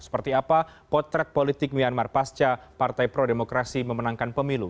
seperti apa potret politik myanmar pasca partai pro demokrasi memenangkan pemilu